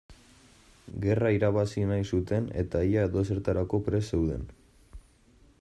Gerra irabazi nahi zuten eta ia edozertarako prest zeuden.